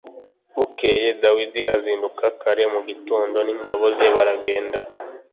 bukeye dawidi azindukana kare mu gitondo n’ingabo ze baragenda